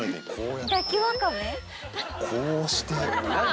こうして。